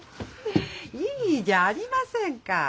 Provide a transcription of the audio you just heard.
いいじゃありませんか。